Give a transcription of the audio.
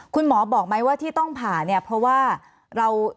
คุณหมอบอกไหมว่าที่ต้องผ่าเนี่ยเพราะว่าเรา